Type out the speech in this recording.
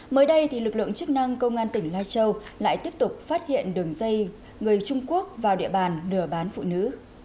mới đây lực lượng chức năng công an tỉnh lai châu lại tiếp tục phát hiện đường dây người trung quốc vào địa bàn nửa bán phụ nữ